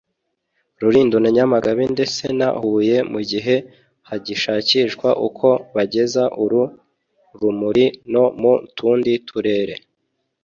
Rulindo na Nyamagabe ndetse na Huye mu gihe hagishakishwa uko bageza uru rumuri no mu tundi turere